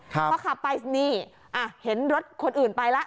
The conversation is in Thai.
พอขับไปนี่เห็นรถคนอื่นไปแล้ว